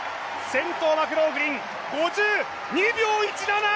先頭マクローフリン、５２秒１７！